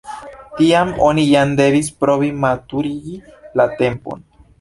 Tiam oni ja devis provi maturigi la tempon.